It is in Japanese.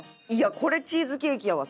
これチーズケーキやわ。